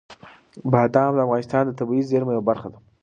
بادام د افغانستان د طبیعي زیرمو یوه برخه ده.